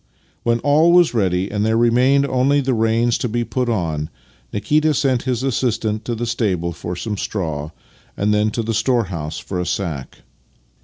When all was ready and there remained only the reins to be put on, Nikita sent his assistant to the stable for some straw, and then to the store house for a sack.